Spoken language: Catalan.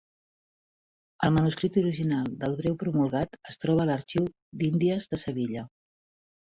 El manuscrit original del breu promulgat es troba a l'Arxiu d'Índies de Sevilla.